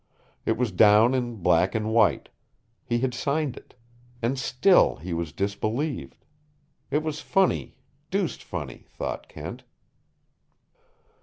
It was down in black and white. He had signed it. And still he was disbelieved. It was funny, deuced funny, thought Kent.